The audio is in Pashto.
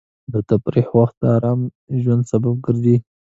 د تفریح وخت د ارام ژوند سبب ګرځي.